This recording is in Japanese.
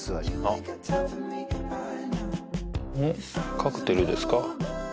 カクテルですか？